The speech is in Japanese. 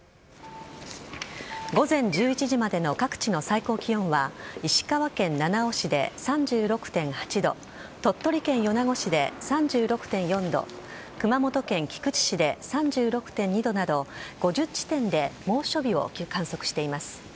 午前１１時までの各地の最高気温は、石川県七尾市で３６．８度、鳥取県米子市で３６．４度、熊本県菊池市で３６．２度など、５０地点で猛暑日を観測しています。